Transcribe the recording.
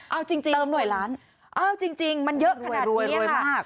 เอาจริงเติมหน่วยล้านเอ้าจริงมันเยอะขนาดนี้ค่ะ